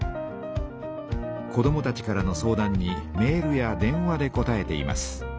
子どもたちからの相談にメールや電話でこたえています。